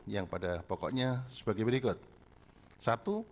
yang pada pokoknya sebagai berikut